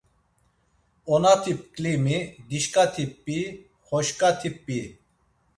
Onati pklimi, dişǩati p̌i, xoşǩati p̌i.